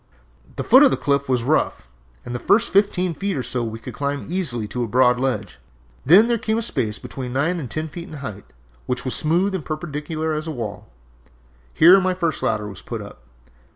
"The foot of the cliff was rough, and the first fifteen feet or so we could climb easily to a broad ledge, then there came a space between nine and ten feet in height, which was as smooth and perpendicular as a wall. Here my first ladder was put up.